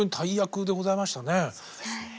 そうですね。